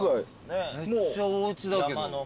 めっちゃおうちだけど。